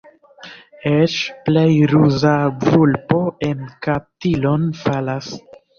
Eĉ plej ruza vulpo en kaptilon falas.